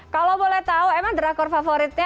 kalau boleh tau emang dragor favoritnya